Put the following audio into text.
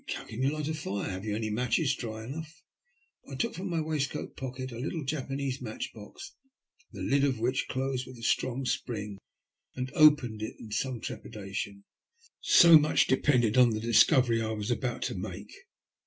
"But how can you light a fire? Have you any matches dry enough?" I took from my waistcoat pocket a little Japanese match box, the lid of which closed with a strong spring, and opened it in some trepidation. So much depended on the discovery I was about to make.